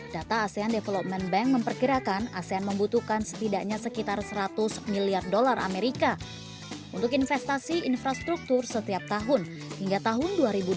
data asean development bank memperkirakan asean membutuhkan setidaknya sekitar seratus miliar dolar amerika untuk investasi infrastruktur setiap tahun hingga tahun dua ribu dua puluh